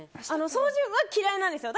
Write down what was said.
掃除は嫌いなんですよ。